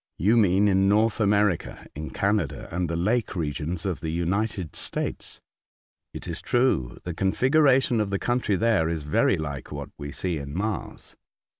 " You mean in North America, in Canada, and the lake regions of the United States. It is true the configuration of the country there is very like what we see in Mars."